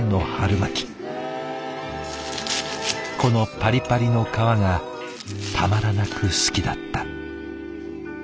このパリパリの皮がたまらなく好きだった。